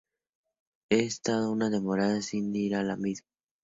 He estado una temporada sin ir a la misma.